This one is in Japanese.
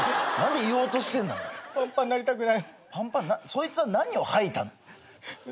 そいつは何を吐いたの？